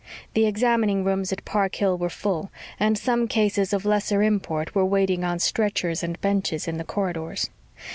The examining rooms at Park Hill were full, and some cases of lesser import were waiting on stretchers and benches in the corridors.